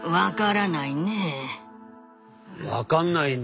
分かんないんだ。